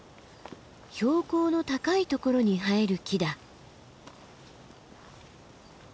標高の高いところに生える木だ。